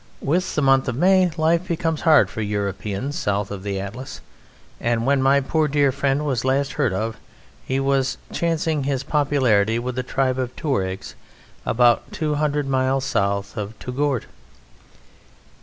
With the month of May life becomes hard for Europeans south of the Atlas, and when my poor dear friend was last heard of he was chancing his popularity with a tribe of Touaregs about two hundred miles south of Touggourt.